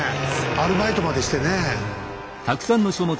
アルバイトまでしてね。